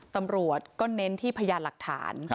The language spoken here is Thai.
ตำรวจก็เน้นที่พยานหลักฐาน